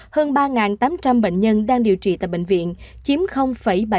hơn ba tám trăm linh bệnh nhân đang điều trị tại bệnh viện chiếm bảy mươi bảy tổng